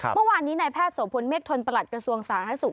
เมื่อวานนี้นายแพทย์โสพลเมฆทนประหลัดกระทรวงสาธารณสุข